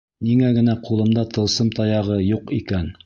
Ниңә генә ҡулымда тылсым таяғы юҡ икән?